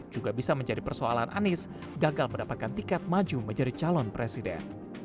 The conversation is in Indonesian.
juga bisa menjadi persoalan anies gagal mendapatkan tiket maju menjadi calon presiden